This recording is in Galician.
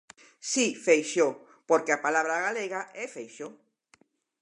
Si, Feixóo porque a palabra galega é Feixóo.